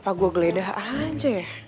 apa gue geledah aja ya